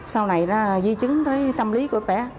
sau này di chứng tới tâm lý của bé